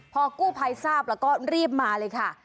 พอกู้ภัยทราบแล้วก็รีบมาเลยค่ะ